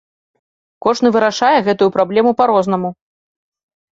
Кожны вырашае гэтую праблему па-рознаму.